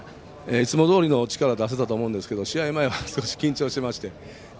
いつもどおりの力を出せたと思いますが試合前は少し緊張していまして。